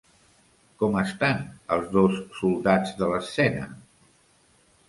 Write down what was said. Com estan els dos soldats de l'escena?